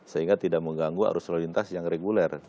sehingga tidak mengganggu arus lalu lintas yang reguler